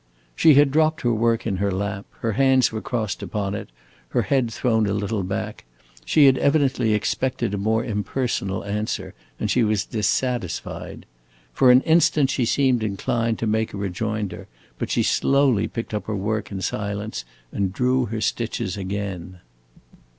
She had dropped her work in her lap; her hands were crossed upon it, her head thrown a little back. She had evidently expected a more impersonal answer, and she was dissatisfied. For an instant she seemed inclined to make a rejoinder, but she slowly picked up her work in silence and drew her stitches again.